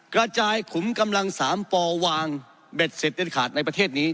กระจายขุมกำลัง๓ปวางเบ็ดเสร็จเด็ดขาดในประเทศนี้